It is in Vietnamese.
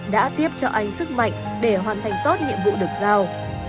đã tiếp cho anh sức mạnh để hoàn thành tốt nhiệm vụ được giao